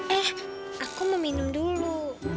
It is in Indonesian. eh aku mau minum dulu